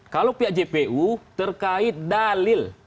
kalau pihak jpu terkait dalil